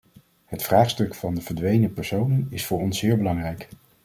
Het vraagstuk van de verdwenen personen is voor ons zeer belangrijk.